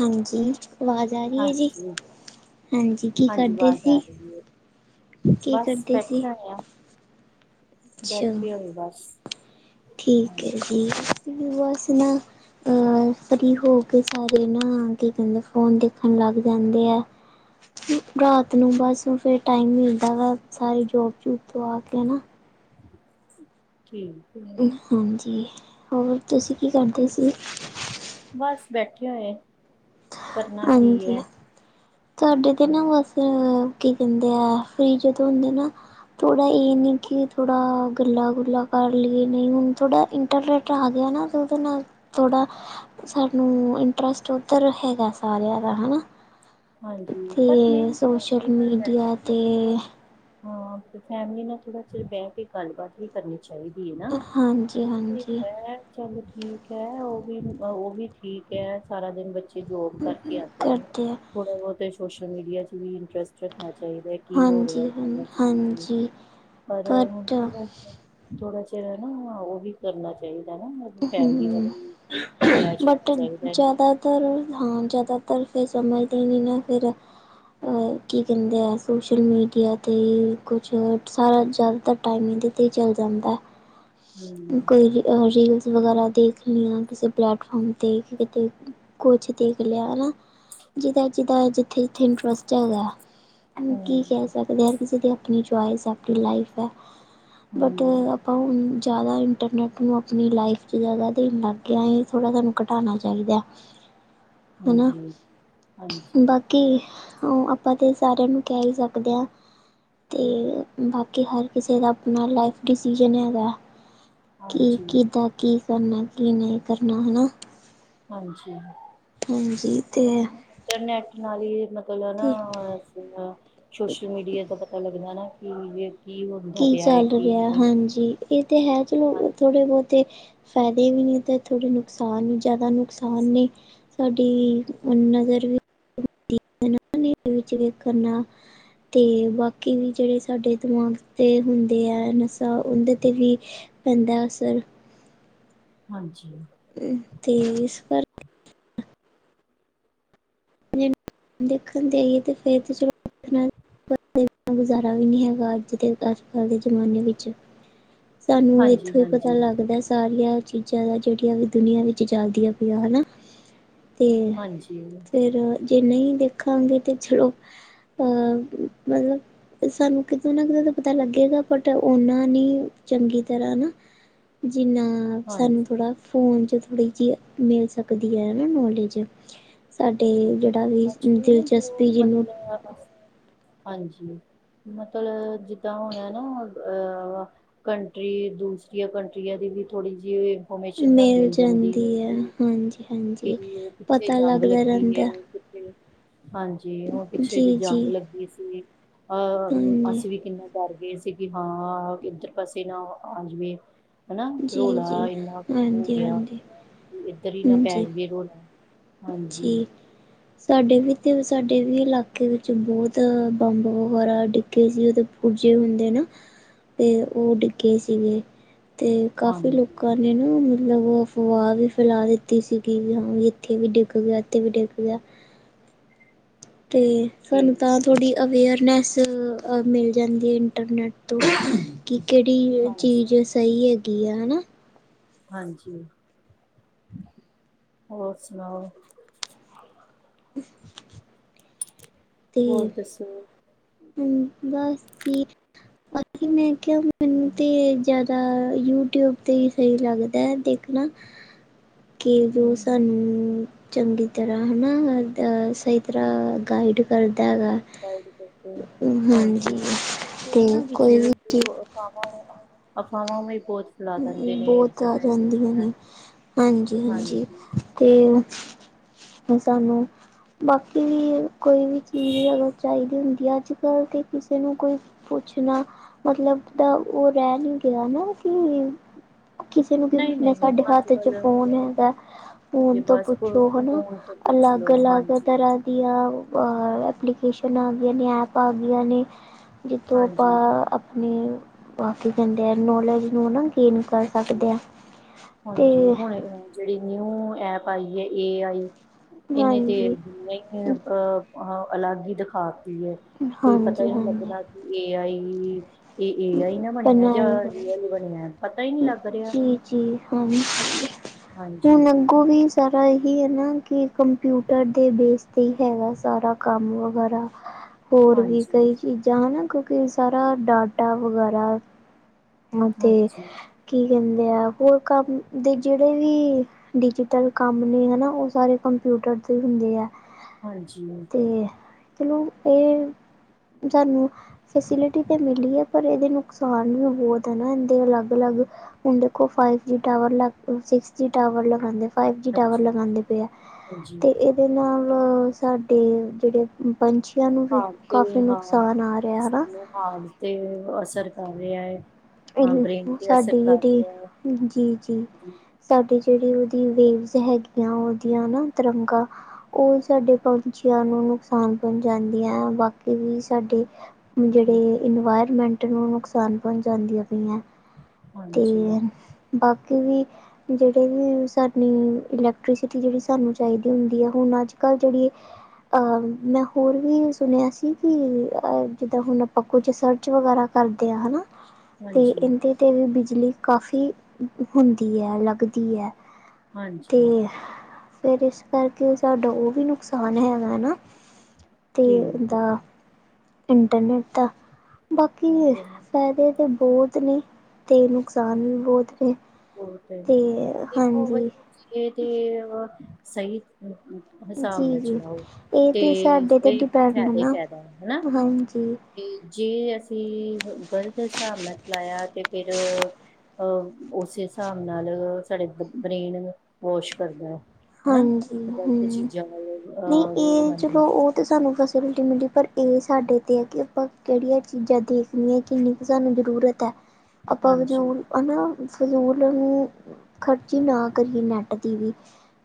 ਹਾਂਜੀ, ਆਵਾਜ਼ ਆ ਰਈ ਏ ਜੀ ਹਾਂਜੀ, ਹਾਂਜੀ ਕੀ ਹਾਂਜੀ ਕਰਦੇ ਵਾਜ਼ ਸੀ ਆ ਰਈ ਐ, ਕੀ ਬਸ ਕਰਦੇ ਸੀ ਬੈਠੇ ਹੋਏ ਆ। ਅੱਛਾ ਬੈਠੀ ਹੋਈ ਬਸ। ਠੀਕ ਹੈ, ਹਾਂਜੀ, ਜੀ ਵਸ ਨਾ। ਆ ਸਖੀ ਹੋ ਕੇ ਸਾਰੇ ਨਾ ਕੀ ਕਹਿੰਦੇ ਫੋਨ ਦਿਖਾਨਾ ਵੀ ਰਹਿੰਦੇ ਆ। ਰਾਤ ਨੂੰ ਬਸ ਫਿਰ ਟਾਈਮ ਮਿਲਦਾ ਵਾ ਸਾਰੀ ਜੋਬ- ਜੂਬ ਤੋਂ ਆ ਕੇ ਨਾ। ਠੀਕ ਆ ਹਾਂਜੀ, ਹੋਰ ਤੁਸੀਂ ਕੀ ਕਰਦੇ ਸੀ? ਬਸ ਬੈਠੇ ਹੋਏ। ਕਰਨਾ ਕੀ ਹਾਂਜੀ, ਹੈ। ਤੁਹਾਡੇ ਤੇ ਨਾ ਬਸ। ਆ ਕੀ ਕੇਹਂਦੇ ਆ ਫਿਰ ਜਦੋਂ ਹੁੰਦੇ ਨਾ। ਥੋੜਾ ਏ ਨੀ ਕਿ ਥੋੜਾ ਗੱਲਾਂ ਗੁੱਲਾਂ ਕਰ ਲਈਏ ਨੀ ਹੁਣ ਥੋੜਾ ਇੰਟਰਨੈਟ ਪਾ ਗਿਆ ਨਾ ਤੇ ਉਦੇ ਨਾਲ ਥੋੜਾ ਸਾਨੂੰ ਇੰਟਰਸਟ ਉੱਧਰ ਹੈਗਾ। ਆ ਰਿਆਂ ਰਾਹ ਨਾ। ਹਾਂਜੀ, [unintelligible] ਮੀਡੀਆ ਤੇ ਹਾਂ ਤੇ ਫੈਮਿਲੀ ਨਾਲ ਥੋੜਾ ਚਿਰ ਬਹਿ ਕੇ ਗੱਲਬਾਤ। ਕੀ ਕਰਨੀ ਚਾਹੀਦੀ ਏ ਨਾ ਹਾਂਜੀ ਹੋਰ ਕੋਈ ਹਾਂਜੀ ਹੈ। ਚਲੋ ਠੀਕ ਹੈ ਉਹ ਵੀ ਉਹ ਵੀ ਠੀਕ ਹੈ ਸਾਰਾ ਦਿਨ ਬੱਚਾ। ਜੋਬ ਕਰਕੇ ਆ ਜਾਈਦਾ ਨੇ ਕਰਦੇ ਆ ਥੋੜੇ ਬੋਤੇ ਸੋਸ਼ਲ ਮੀਡੀਆ ਚ ਵੀ ਇੰਟਰਸਟ ਰੱਖਣਾ ਚਾਈਦਾ ਏ। ਕੀ ਹੋ ਰਿਹਾ। ਹਾਂਜੀ ਹਾਂ ਤੂੰ ਦਸਦੀ ਨੀ ਪਈ, ਹਾਂਜੀ ਸਾਰਿਆ ਨੂੰ ਬਟ ਕੀ ਦਸਨੈ ਥੋੜਾ ਚਿਰ ਨਾ ਉਹ ਵੀ ਕਰਨਾ ਚਾਈਦਾ ਨਾ ਹ ਫੈਮਲੀ ਵੱਲ ਵੀ ਅਟੈਚ ਹੋਣਾ ਬਟ ਚਾਹੀਦਾ ਜ਼ਿਆਦਾ। ਤਰ ਹਾਂ ਜ਼ਿਆਦਾਤਰ ਫਿਰ ਸਮਝਦੇ ਨੀ ਨਾ ਫਿਰ ਕੀ ਕਹਿੰਦੇ ਆ ਸੋਸ਼ਲ ਮੀਡੀਆ ਤੇ ਹੀ ਕੁੱਛ ਸਾਰਾ ਜਾਦਾਤਰ ਟਾਈਮ ਏਦੇ ਤੇ ਚੱਲ ਜਾਂਦਾ। ਹੂੰ ਕੋਈ ਰੀਲ [unintelligible] ਵਗੈਰਾ ਦੇਖ ਲਿਆ ਕਿਸੇ ਪਲੇੈਟਫਾਰਮ ਤੇ ਕਿਤੇ ਕੁੱਛ ਦੇਖ ਲਿਆ ਨਾ ਜਿਦਾ ਜਿਦਾ ਜਿੱਥੇ ਜਿੱਥੇ ਇੰਟਰੱਸਟ ਜ਼ਿਆਦਾ ਕੀ ਹੂੰ ਕਹਿ ਸਕਦੇ, ਹਰ ਕਿਸੇ ਦੀ ਆਪਣੀ ਚੋਆਇਸ ਹੈ, ਆਪਣੀ ਲਾਈਫ ਹੈ ਬਟ ਹੂੰ ਆਪਾਂ ਹੁਣ ਜ਼ਿਆਦਾ ਇੰਟਰਨੈਟ ਨੂੰ ਆਪਣੀ ਲਾਈਫ ਜੇ ਜ਼ਿਆਦਾ ਦੇਣ ਲਾਗਏ ਥੋੜ੍ਹਾ ਜਿਹਾ ਏਨੂੰ ਘਟਾਉਣਾ ਚਾਹੀਦਾ ਏ। ਹਣਾ। ਹਾਂਜੀ ਹਾਂਜੀ ਬਾਕੀ ਆਪਾਂ ਤੇ ਸਾਰਿਆਂ ਨੂੰ ਕਹਿ ਹੀ ਸਕਦੇ ਹਾਂ ਤੇ ਬਾਕੀ ਹਰ ਕਿਸੇ ਦਾ ਆਪਣਾ ਲਾਈਫ ਡਿਸੀਜ਼ਨ ਹੈ ਗੈ ਕੀ, ਹਾਂਜੀ ਕਿਦਾ, ਕੀ ਕਰਨਾ, ਕੀ ਨਈ ਕਰਨਾ ਹਨਾ। ਹਾਂਜੀ। ਹਾਂਜੀ ਤੇ। ਨੈੱਟ ਨਾਲ ਹੀ ਮਤਲਬ ਤੇ ਨਾ ਸੋਸ਼ਲ ਮੀਡੀਆ ਦਾ ਪਤਾ ਲੱਗਦੈ ਨਾ। [unintelligible] ਕੀ ਪਿਆ ਹੈ ਚੱਲ ਕੀ ਰਿਹੈ, ਨਹੀਂ ਹਾਂਜੀ, ਇਹ ਤੇ ਹੈ, ਹਾਂ ਚਲੋ ਥੋੜੇ ਬਹੁਤੇ ਫਾਇਦੇ ਵੀ ਨੀ, ਤੇ ਥੋੜੇ ਨੁਕਸਾਨ ਈ ਜਾਦਾ ਨੁਕਸਾਨ ਨੇ। ਸਾਡੀ ਨਜ਼ਰ ਵੀ। ਟੀ ਵੀ ਨਾਲ। [unintelligible] [inaudible] ਨਹੀਂ ਇਹਦੇ ਵਿੱਚ ਵੇਖਨਾ ਤੇ ਬਾਕੀ ਵੀ ਜਿਹੜੇ ਸਾਡੇ ਦਿਮਾਗ। ਤੇ ਹੁੰਦੇ ਹੈ ਨਸ਼ਾ, ਉਹਦੇ 'ਤੇ ਵੀ ਪੈਂਦਾ ਅਸਰ ਹਾਂਜੀ ਤੇ ਇਸ ਪਰ ਦੇਖਣ ਦੇਈਏ ਤੇ ਫਿਰ ਤੇ। [unintelligible] ਪਰ, ਇੰਨਾ ਗੁਜ਼ਾਰਾ ਵੀ ਨਹੀਂ ਹੈਗਾ, ਅੱਜ ਦੇ ਅੱਜ ਕੱਲ੍ਹ ਦੇ ਜ਼ਮਾਨੇ ਵਿੱਚ। ਸਾਨੂੰ ਹਾਂਜੀ ਇੱਥੋਂ ਹੀ ਪਤਾ ਹਾਂਜੀ ਲੱਗਦੈ ਸਾਰੀਆਂ ਚੀਜ਼ਾ ਦਾ ਜੇੜੀਆ ਵੀ ਦੁਨੀਆਂ ਵਿੱਚ ਚਲਦੀਆਂ ਪਈਆਂ ਹਨਾ। ਤੇ ਹਾਂਜੀ ਫਿਰ ਜੇ ਨਹੀਂ ਦੇਖਾਂਗੇ ਤਾਂ ਚਲੋ ਹਾਂ ਮਤਲਬ ਸਾਨੂੰ ਕਿਤੇ ਨਾ ਕਿਤੇ ਤਾਂ ਪਤਾ ਲੱਗੇਗਾ ਬਟ ਓਨਾ ਨੀ ਚੰਗੀ ਤਰ੍ਹਾਂ ਨਾ। ਜੀ ਨਾਂ ਹਾਂਜੀ ਸਾਨੂੰ ਥੋੜਾ ਹਾਂਜੀ ਫੋਨ 'ਚ ਥੋੜ੍ਹੀ ਜਿਹੀ ਮਿਲ ਸਕਦੀ ਹੈ ਹੈ ਨਾ ਨੌਲੇਜ ਸਾਡੇ ਜੇੜ ਜੋ ਮਤਲੱਬ ਹਾਂਜੀ ਮਤਲਬ ਜਿੱਦਾਂ ਹੁਣ ਆ ਨਾ ਅ। ਕੰਟਰੀ ਦੂਸਰੀਆਂ ਕੰਟਰੀਆਂ ਦੀ ਵੀ ਥੋੜ੍ਹੀ ਜਿਹੀ ਪਰਮਿਸ਼ਨ ਤਾ ਮਿਲ ਜਾਂਦੀ ਹੈ ਹੋਏਗੀ ਹਾਂਜੀ ਕਿ ਹਾਂਜੀ ਉਹ ਕਿੱਥੇ ਪਤਾ ਜੰਗ। ਲੱਗਦਾ ਕੀਵੀ ਅਈ ਰਹਿੰਦਾ ਨੂੰ ਕਿੱਥੇ ਰੱਖੋ ਹਾਂਜੀ ਹੁਣ ਪਿੱਛੇ ਜੇ ਜੀ ਜੀ ਜਂਗ ਲੱਗੀ ਸੀ ਇਹ ਹਾਂਜੀ ਅਸੀਂ ਵੀ ਕਿੰਨਾ ਡਰ ਗਏ ਸੀ ਕਿ ਹਾਂ ਇੱਧਰ ਪਾਸੇ ਨਾ ਆ ਜਾਵੇ ਹਨਾ ਜੀ ਰੌਲਾ ਜੀ ਇੰਨਾ ਕੁ ਹੋ ਹਾਂਜੀ ਗਿਆ ਹਾਂਜੀ ਇੱਧਰ ਹੀ ਨਾ ਪੈ ਹਾਂਜੀ ਜਾਵੇ ਰੌਲਾ। ਹਾਂਜੀ ਜੀ ਸਾਡੇ ਵੀ ਤੇ ਸਾਡੇ ਵੀ ਇਲਾਕੇ ਵਿੱਚ ਬਹੁਤ ਬੰਬ ਵਗੈਰਾ ਡਿਗੇ ਸੀ ਤੇ ਉਹਦੇ ਪੂਰਜੇ ਹੁੰਦੇ ਨਾ ਤੇ ਉਹ ਡਿੱਗੇ ਸੀਗੇ ਤੇ ਕਾਫੀ ਹਾਂਜੀ ਲੋਕਾਂ ਨੇ ਮਤਲੱਬ ਅਫਵਾਹ ਵੀ ਫੈਲਾ ਦਿੱਤੀ ਸੀਗੀ ਵੀ ਹਾਂ ਵੀ ਇੱਥੇ ਵੀ ਡਿੱਗ ਗਿਆ ਇੱਥੇ ਵੀ ਡਿੱਗ ਗਿਆ ਤੇ ਸਾਨੂੰ ਠੀਕ ਤਾਂ ਹੈ ਥੋੜ੍ਹੀ ਅਵੇਅਰਨੈੱਸ। ਮਿਲ ਜਾਂਦੀ ਹੈ ਇੰਟਰਨੈੱਟ ਤੋਂ ਕਿ ਕਿਹੜੀ ਹਾਂਜੀ ਚੀਜ਼ ਸਹੀ ਹੈਗੀ ਹਨਾ ਹਾਂਜੀ ਹੋਰ ਸੁਣਾਓ ਹੂੰ। ਹੋਰ ਤੇ ਦੱਸੋ? ਬਸ ਜੀ ਅਖੀ ਜੀ ਮੈਂ ਕਿਹਾ ਮੈਨੂੰ ਤੇ ਜ਼ਿਆਦਾ ਯੂਟਿਊਬ ਤੇ ਹੀ ਸਹੀ ਲੱਗਦਾ ਹੈ ਦੇਖਣਾ। ਕੀ ਜੋ ਸਾਨੂੰ ਚੰਗੀ ਤਰ੍ਹਾਂ ਹਨਾ ਸਈ ਤਰ੍ਹਾਂ ਗਾਈਡ ਕਰਦਾ ਹੈਗਾ ਹਾਂਜੀ ਤੇ ਕੋਈ ਵੀ ਚੀਜ਼ ਅਫਵਾਵਾਂ ਅਫਵਾਵਾਂ ਨੇ ਬਹੁਤ ਫੈਲਾ ਦਿੰਦੇ ਨੇ ਬਹੁਤ ਏਦਾਂ ਆ ਹੈ ਜਾਂਦੀਆਂ ਏਦਾਂ ਨੇ ਹਾਂਜੀ ਹਾਂਜੀ ਤੇ ਉਹ। ਹੁਣ ਸਾਨੂੰ ਬਾਕੀ ਵੀ ਕੋਈ ਵੀ ਚੀਜ਼ ਅਗਰ ਚਾਹੀਦੀ ਹੁੰਦੀ ਹੈ ਅੱਜ ਕੱਲ੍ਹ ਤੇ ਕਿਸੇ ਨੂੰ ਕੋਈ। ਪੁੱਛਣਾ ਮਤਲੱਬ ਦਾ ਉਹ ਰਹਿ ਨਹੀਂ ਗਿਆ ਨਾ ਕਿ ਕਿਸੇ ਨੂੰ ਕੀ ਨਹੀਂ ਪੁੱਛਣਾ ਨਹੀਂ ਸਾਡੇ ਅੱਜ ਹੱਥ ਚ ਕੱਲ ਫੋਨ ਹੈਗਾ ਫੋਨ ਜੇ ਤੋਂ ਬਸ ਪੁੱਛੋ ਫੋਨ ਹਨਾ ਤੋਂ ਪੁੱਛ ਅਲੱਗ ਲੋ ਅਲੱਗ ਹਾਂਜੀ ਤਰ੍ਹਾਂ ਦੀਆ ਅ ਐਪਲੀਕੇਸ਼ਨ ਆ ਗਈਆਂ ਨੇ ਐਪ ਆ ਗਈਆਂ ਨੇ। ਜਿੱਦੋਂ ਹਾਂਜੀ ਆਪਾਂ ਆਪਣੇ ਬਾਕੀ ਦਿੰਦੇ ਆ ਨੌਲੇਜ ਨੂੰ ਨਾ ਗੇਨ ਕਰ ਸਕਦੇ ਹਾਂ ਹਾਂਜੀ ਅਤੇ ਹੁਣੇ ਜਿਹੜੀ ਨਿਊ ਐਪ ਆਈ ਆ ਏ ਆਈ ਇਹਨੇ ਤੇ ਹਾਂਜੀ ਜਿੰਨੇ ਐਪ। ਉਹ ਅਲੱਗ ਹੀ ਦਿਖਾਤੀ ਹੈ ਕੋਈ ਪਤਾ ਹਾਂਜੀ ਹੀ ਨਹੀਂ ਹਾਂਜੀ ਲੱਗਦਾ ਇਹ ਏ ਆਈ ਇਹਏ ਆਈ ਨਾ ਬਣਿਆ ਜਾਂ ਬਣਾਏ ਗਏ ਇਹ ਬਣਿਆ ਪਤਾ ਹੀ ਨਹੀਂ ਲੱਗਦਾ। ਜੀ ਜੀ ਹਾਂ ਹਾਂਜੀ ਹੁਣ ਅੱਗੋਂ ਵੀ ਸਾਰਾ ਇਹੀ ਹੈ ਨਾ ਕਿ ਕੰਪਿਊਟਰ ਦੇ ਬੇਸ 'ਤੇ ਹੀ ਹੈਗਾ ਸਾਰਾ ਕੰਮ ਵਗੈਰਾ ਹੋਰ ਵੀ ਹਾਂਜੀ ਕਈ ਚੀਜ਼ਾਂ ਹਨਾ ਕਿਉਂਕਿ ਸਾਰਾ ਡਾਟਾ ਵਗੈਰਾ। ਉਹਨੂੰ ਤੇ ਹਾਂਜੀ ਕੀ ਕਹਿੰਦੇ ਆ ਹੋਰ ਕੰਮ ਦੇ ਜਿਹੜੇ ਵੀ। ਡਿਜੀਟਲ ਕੰਮ ਨੇ ਹਨਾ ਉਹ ਸਾਰੇ ਕੰਪਿਊਟਰ ਤੇ ਹੀ ਹੁੰਦੇ ਹੈ। ਹਾਂਜੀ। ਚਲੋ ਇਹ ਸਾਨੂੰ ਫੈਸਿਲਿਟੀ ਤਾਂ ਮਿਲੀ ਹੈ। ਪਰ ਏਦੇ ਨੁਕਸਾਨ ਵੀ ਬੋਤ ਤੇ ਨਾ ਇਹਦੇ ਅਲੱਗ-ਅਲੱਗ ਹੁਣ ਦੇਖੋ ਫਾਈਵ ਜੀ ਟਾਵਰ ਲੱਗ ਗਏ ਸਿਕਸ ਜੀ ਟਾਵਰ ਲਗਾਉਂਦੇ। ਫਾਈਵ ਜੀ ਟਾਵਰ ਹਾਂਜੀ ਲਗਾਉਂ ਪਏ ਆ ਹਾਂਜੀ ਅਤੇ ਇਹਦੇ ਨਾਲ ਸਾਡੇ ਜਿਹੜੇ ਪੰਛੀਆਂ ਨੂੰ ਵੀ ਹਾਲ ਕਾਫੀ ਨੁਕਸਾਨ ਆ ਰਿਹਾ ਹਨਾ। ਹਾਰਟ ਤੇ ਅਸਰ ਕਰ ਰਿਹਾ ਏਂ-ਹਾਂ ਬ੍ਰੇਨ ਤੇ ਅਸਰ ਸਾਡੀ ਕਰ ਜਿਹੜੀ ਰਿਹਾ ਏਂ। ਜੀ ਜੀ। ਸਾਡੀ ਜਿਹੜੀ ਉਹਦੀ ਵੇਵਜ਼ ਹੈਗੀਆਂ, ਉਹਦੀਆਂ ਨਾ ਤਿਰੰਗਾ ਉਹ ਸਾਡੇ ਪੰਛੀਆਂ ਨੂੰ ਨੁਕਸਾਨ ਪਹੁੰਚਾਦੀਆਂ, ਬਾਕੀ ਵੀ ਸਾਡੇ ਜੇੜ੍ਹੇ ਹਮ, ਇਨਵਾਇਰਮੈਂਟ ਨੂੰ ਨੁਕਸਾਨ ਪਹੁੰਚ ਜਾਂਦੀਆਂ ਪਈਆ ਤੇ ਹਾਂਜੀ ਬਾਕੀ ਵੀ। ਜਿਹੜੇ ਸਾਨੂੰ ਇਲੈਕਟ੍ਰੀਸਿਟੀ ਜਿਹੜੀ ਸਾਨੂੰ ਚਾਹੀਦੀ ਹੁੰਦੀ ਹੈ ਹੁਣ ਅੱਜ ਕੱਲ ਜਿਹੜੀ ਆ, ਮੈਂ ਹੋਰ ਵੀ ਸੁਣਿਆ ਸੀ। ਕੀ ਜਿੱਦਾਂ, ਹੁਣ ਆਪਾਂ ਕੁਝ ਸਰਚ ਵਗੈਰਾ ਕਰਦੇ ਹਾਂ ਹਨਾ ਤੇ, ਹਾਂਜੀ ਏਂਦੇ ਤੇ ਵੀ ਬਿਜਲੀ ਕਾਫ਼ੀ ਹੁੰਦੀ ਐ ਲੱਗਦੀ ਐ। ਤੇ, ਹਾਂਜੀ ਫਿਰ ਇਸ ਕਰਕੇ ਸਾਡਾ ਉਹ ਵੀ ਨੁਕਸਾਨ। ਨੁਕਸਾਨ ਹੀ ਹੈਗਾ, ਨਾ ਤੇ ਠੀਕ ਦਾ ਇੰਟਰਨੈਟ ਦਾ ਬਾਕੀ ਹੈ ਫਾਇਦੇ ਤਾਂ ਬੋਤ ਨੇ, ਤੇ ਨੁਕਸਾਨ ਵੀ ਬੋਤ ਨੇ। ਵੋਟ ਤੇ ਦੇਖੋ ਹਾਂਜੀ ਅਗਰ ਜੇ ਤੇ ਅਗਰ ਸਹੀ। ਹਿਸਾਬ ਜੀ ਨਾਲ ਜੀ ਚਲਾਓ ਇਹ ਤੇ ਸਾਡੇ ਤੇ ਇਹ ਡਿਪੈਂਡ ਫਾਇਦਾ ਹੀ ਨਾ ਫਾਇਦਾ ਹਨਾ। ਹਾਂਜੀ ਜੇ ਅਸੀਂ ਗਲ਼ਤ ਹਿਸਾਬ ਨਾਲ ਚਲਾਇਆ ਤੇ ਫਿਰ ਅ ਓਸੇ ਸਾਬ ਨਾਲ ਸਾਡੇ ਬ੍ਰੇਨ ਵਾਸ਼ ਕਰਦੈ। ਹਨਾ ਹਾਂਜੀ ਗੱਲਤ [unintelligible] ਹੂੰ ਚੀਜਾ ਜਾਂਦੀ ਤੇ ਸਾਨੂੰ ਫੈਸਿਲਿਟੀ ਮਿਲੀ ਪਰ ਇਹ ਸਾਡੇ 'ਤੇ ਹੈ ਕਿ ਆਪਾਂ ਕਿਹੜੀਆਂ ਚੀਜ਼ਾਂ ਦੇਖੀਆਂ ਕਿੰਨੀ ਕੁ ਸਾਨੂੰ ਜ਼ਰੂਰਤ ਤੇ, ਆਪਾਂ ਹਾਂਜੀ ਫਜ਼ੂਲ ਹਨਾ ਫਜ਼ੂਲ ਨੂੰ। ਖ਼ਰਚੀ ਨਾ ਕਰੀ ਏਂ ਨੈੱਟ ਦੀ ਵੀ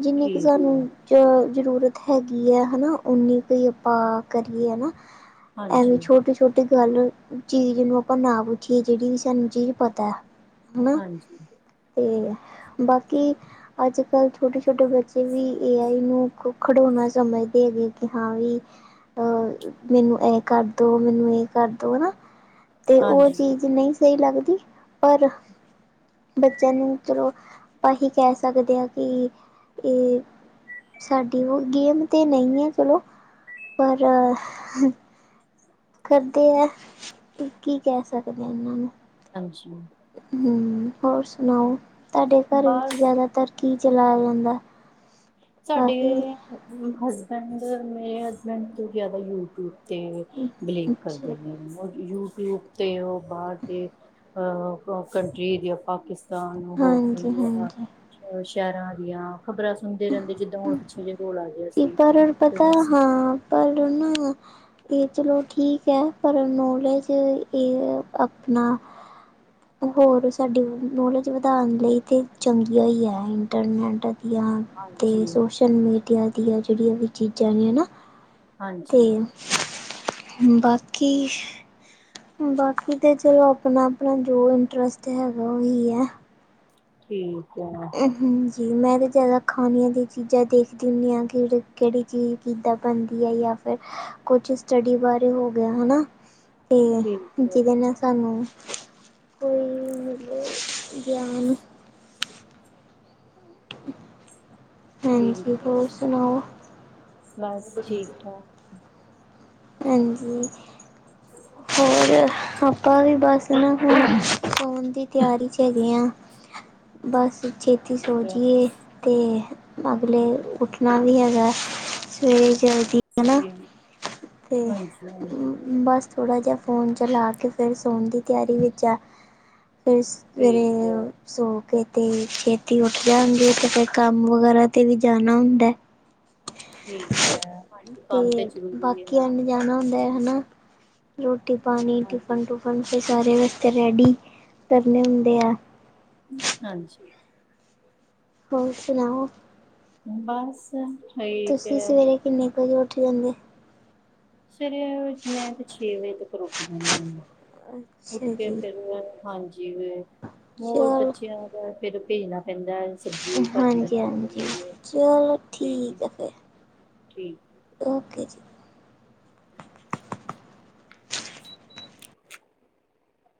ਜਿੰਨੀ ਕੁ ਠੀਕ ਸਾਨੂੰ। ਹੈ ਚ ਜ਼ਰੂਰਤ ਹੈਗੀ ਆ, ਹਨਾ ਓਨੀ ਕੋਈ ਅਪ ਪਾ ਕਰੀਏ ਹੈ ਨਾ ਐਵੇਂ ਹਾਂਜੀ ਛੋਟੀ-ਛੋਟੀ ਗੱਲ ਚੀਜ਼ ਨੂੰ ਆਪਾਂ ਨਾ ਪੁੱਛੀਏ ਜਿਹੜੀ ਵੀ ਸਾਨੂੰ ਚੀਜ਼ ਪਤਾ ਆ ਹਨਾ ਹਾਂਜੀ ਤੇ ਬਾਕੀ ਅੱਜ ਕੱਲ੍ਹ ਛੋਟੀੇ ਛੋਟੇ ਬੱਚੇ ਵੀ ਏ ਆਈ ਨੂੰ ਖ ਖਡੋਣਾ ਸਮਝਦੇ ਹੈਗੇ, ਕਿ ਹਾਂ ਵੀ ਅ ਮੈਨੂੰ ਇਹ ਕਰਦੋ ਮੈਨੂੰ ਇਹ ਕਰ ਦੋ ਆ ਨਾ ਤੇ, ਉਹ ਹਾਂਜੀ ਚੀਜ਼ ਨਹੀਂ ਸਹੀ ਲੱਗਦੀ। ਪਰ ਬੱਚਿਆਂ ਨੂੰ ਚਲੋ ਆਪਾਂ ਹੀ ਕਹਿ ਸਕਦੇ ਹਾਂ। ਕਿ ਏ ਸਾਡੀ ਓ ਗੇਮ ਤੇ ਨਹੀਂ ਐ। ਚਲੋ ਪਰ ਕਰਦੇ ਆ ਤੇ, ਕੀ ਕਹਿ ਸਕਦੇ ਇਨਾਂ ਨੂੰ ਹਾਂਜੀ। ਹੂੰ, ਹੋਰ ਸੁਣਾਓ, ਤੁਹਾਡੇ ਘਰ ਵਿੱਚ ਬਸ ਜ਼ਿਆਦਾਤਰ ਕੀ ਚਲਾਇਆ ਜਾਂਦੈ? ਸਾਡੇ ਹਸਬੈਂਡ, ਮੇਰੇ ਹਸਬੈਂਡ ਤੋਂ ਜ਼ਿਆਦਾ ਯੂਟਿਊਬ ਤੇ ਬਿਲੀਵ ਅੱਛਾ ਕਰਦੇ ਪੈ ਨੇ ਯੂਟਿਊਬ ਤੇ ਉਹ ਬਾਹਰ ਦੀ, ਅ [unintelligible] ਦੀ ਆਪਾਂ ਪਾਕਿਸਤਾਨ, ਹੋਰ ਕੋਈ ਹਾਂਜੀ ਹਾਂਜੀ ਸ਼ਹਿਰਾਂ ਦੀਆਂ ਖ਼ਬਰਾਂ ਸੁਣ ਦੇ ਰਹਿੰਦੇ, ਜਿੱਦਾਂ ਹੁਣ ਪਿੱਛੇ ਜਿਹੇ ਕੋਲ ਆ ਗਿਆ ਸੀ। ਤੇ ਬਸ [unintelligible] ਇਹ ਚਲੋ ਠੀਕ ਹੈ। ਪਰ ਨੌਲੇਜ ਇਹ ਆਪਣਾ [unintelligible] ਹੋਰ, ਸਾਡੀ ਨੌਲੇਜ ਵਧਾਉਣ ਲਈ ਤੇ ਚੰਗੀਆਂ ਹੀ ਹੈ ਇੰਟਰਨੈੱਟ ਦੀਆਂ ਤੇ, ਹਾਂਜੀ ਸੋਸ਼ਲ ਮੀਡੀਆ ਦੀਆਂ ਜੇੜੀਆਂ ਵੀ ਚੀਜ਼ਾਂ ਨੇ ਨਾ ਤੇ, ਹਾਂਜੀ ਬਾਕੀ ਬਾਕੀ ਤੇ, ਚਲੋ ਆਪਣਾ-ਆਪਣਾ ਜੋ ਇੰਨਟਰਸਟ ਹੈਗਾ, ਉਹੀ ਐ। ਠੀਕ ਐ। ਹਾਂਜੀ ਮੈਂ ਤਾਂ ਜ਼ਿਆਦਾ ਖਾਣੀਆਂ ਦੀਆਂ ਚੀਜ਼ਾਂ ਦੇਖਦੀ ਹੁੰਦੀ ਆਂ ਕਿ ਕਿਹੜੀ ਚੀਜ਼ ਕਿਦਾਂ ਬਣਦੀ ਹੈ ਜਾਂ ਫਿਰ, ਕੁਛ ਸਟੱਡੀ ਬਾਰੇ ਹੋ ਗਿਆ ਹਨਾ। ਤੇ ਠੀਕ ਹੈ ਜਿਹਦੇ ਨਾ ਸਾਨੂੰ ਕੋਈ ਮਿਲੇ [inaudible] [inaudible] ਠੀਕ ਹਾਂਜੀ, ਹੈ ਹੋਰ ਸੁਣਾਓ? ਬਸ ਠੀਕ ਠਾਕ। ਹਾਂਜੀ, ਹੋਰ ਆਪਾਂ ਵੀ ਬਸ ਨਾ ਹੁਣ ਸੋਣ ਦੀ ਤਿਆਰੀ 'ਚ ਹੈਗੇ ਆ ਬਸ ਛੇਤੀ ਸੋ ਹੈ ਜੀਏ ਤੇ, ਅਗਲੇ ਉੱਠਣਾ ਵੀ ਹੈਗਾ, ਸਵੇਰੇ ਜਲਦੀ। [unintelligible] ਫੇਰ, ਹਾਂਜੀ ਬਸ ਥੋੜ੍ਹਾ ਜਿਹਾ ਫੋਨ ਚਲਾ ਕੇ ਫੇਰ ਸੋਣ ਦੀ ਤਿਆਰੀ ਵਿੱਚ ਆ ਫਿਰ ਸਵੇਰੇ ਠੀਕ ਹੈ ਸੋ ਕੇ ਤੇ ਛੇਤੀ ਉੱਠ ਜਾਂਦੀ ਹੈ ਤੇ ਫਿਰ ਕੰਮ ਵਗੈਰਾ ਤੇ ਵੀ ਜਾਣਾ ਹੁੰਦਾ। [inaudible] ਠੀਕ ਹੈ, ਕੰਮ ਤੇ ਜ਼ਰੂਰੀ ਏ ਬਾਕੀਆਂ ਨਾ। ਨੇ ਜਾਣਾ ਹੁੰਦਾ, ਹੈਨਾ। ਰੋਟੀ-ਪਾਣੀ, ਹਾਂਜੀ। ਟਿਫਨ-ਟੂਫਨ ਬੰਚੇ ਸਾਰੇ ਵਾਸਤੇ ਰੈਡੀ ਕਰਨੇ ਹੁੰਦੇ ਐ। ਹਾਂਜੀ। ਹੋਰ ਸੁਣਾਓ। ਬਸ ਠੀਕ ਤੁਸੀਂ ਐ। ਸਵੇਰੇ ਕਿੰਨੇ ਕੁ ਵਜੇ ਉੱਠ ਜਾਂਦੇ? ਸਵੇਰੇ ਮੈਂ ਤੇ ਛੇ ਵਜੇ ਤੱਕ ਉੱਠ ਜਾਂਦੀ ਆਂ। ਉੱਠ ਅੱਛਾ ਕੇ, ਜੀ ਫਿਰ ਮੈ, ਹਾਂਜੀ ਵੇ ਹੋਰ ਚਲੋ ਬੱਚਿਆਂ ਦਾ ਫੇਰ ਭੇਜਣਾ ਪਹਿਲਾਂ ਸਬਜ਼ੀ ਭਾਜੀ ਹਾਂਜੀ ਬਣਾਉਣੀ ਹਾਂਜੀ ਪੈਂਦੀ ਹੈ, ਚਲੋ ਤੇ ਠੀਕ ਹੈ ਫਿਰ ਠੀਕ ਓਕੇ ਜੀ। [inaudible]